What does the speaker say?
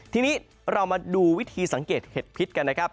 ทีนี้เรามาดูวิธีสังเกตเห็ดพิษกันนะครับ